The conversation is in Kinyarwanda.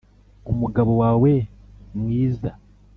umugabo wawe mwiza